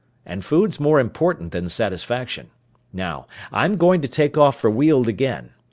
And food's more important than satisfaction. Now, I'm going to take off for Weald again.